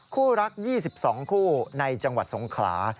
คู่รัก๒๒คู่ในจังหวัดสงขลา